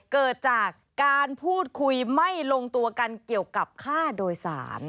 เกิดจากการพูดคุยไม่ลงตัวกันเกี่ยวกับค่าโดยสาร